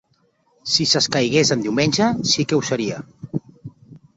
Si s’escaigués en diumenge sí que ho seria.